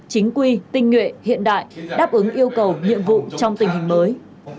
chính quy tinh nguyện hiện đại đáp ứng yêu cầu nhiệm vụ trong tình hình mới